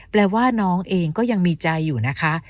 แปลว่าน้องเองก็ยังมีใจอยู่นะคะ